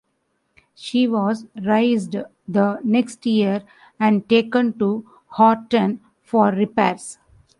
She was raised the next year and taken to Horten for repairs.